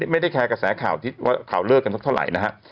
ไม่ได้แคร์กระแสข่าวที่ว่าข่าวเลิกกันสักเท่าไหร่นะฮะ